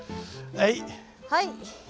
はい！